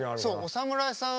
お侍さん